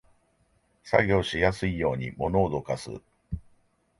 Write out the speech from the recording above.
作業しやすいように物をどかす